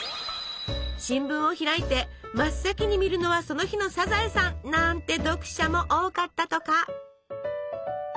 新聞を開いて真っ先に見るのはその日の「サザエさん」なんて読者も多かったとか。